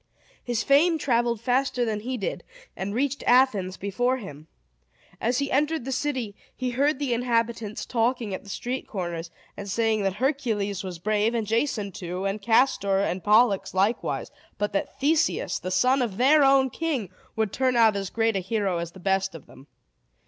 His fame traveled faster than he did, and reached Athens before him. As he entered the city, he heard the inhabitants talking at the street corners, and saying that Hercules was brave, and Jason too, and Castor and Pollux likewise, but that Theseus, the son of their own king, would turn out as great a hero as the best of them.